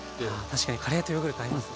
確かにカレーとヨーグルト合いますね。